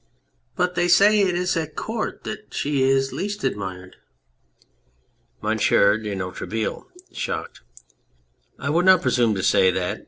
But they say it is at Court that she is least admired ? MONSIEUR DE NOIRETABLE (shocked). I would not presume to say that